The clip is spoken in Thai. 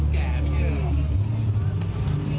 คนแก่อ่ะเฮีย